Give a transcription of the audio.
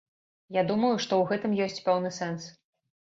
Я думаю, што ў гэтым ёсць пэўны сэнс.